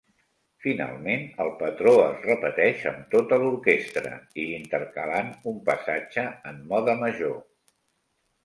Finalment, el patró es repeteix amb tota l'orquestra, i intercalant un passatge en mode major.